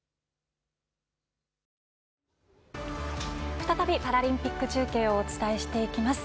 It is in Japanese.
再びパラリンピック中継をお伝えしていきます。